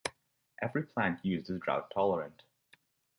Every plant used is drought-tolerant.